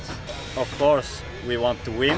tentu saja kita ingin menang